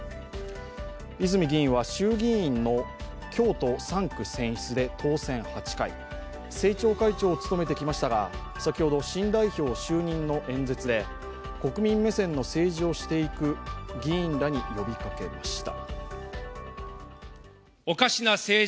泉議員は衆議院の京都３区で当選８回、政調会長を務めてきましたが先ほど、新代表就任の演説で国民目線の政治をしていくと、議員らに呼びかけました。